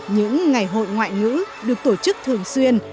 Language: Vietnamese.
những ngày hội ngoại ngữ được tổ chức thường xuyên